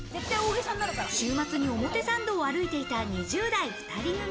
週末に表参道を歩いていた２０代２人組。